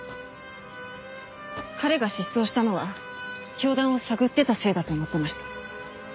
彼が失踪したのは教団を探ってたせいだと思ってました。